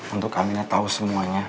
untuk aminah tau semuanya